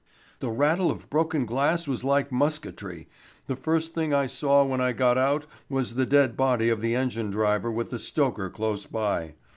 "The rattle of broken glass was like musketry. The first thing I saw when I got out was the dead body of the engine driver with the stoker close by.